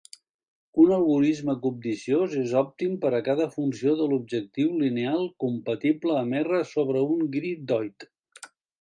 Un algorisme cobdiciós és òptim per a cada funció de l'objectiu lineal compatible amb R sobre un greedoid.